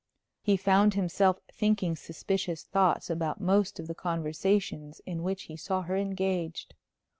He found himself thinking suspicious thoughts about most of the conversations in which he saw her engaged.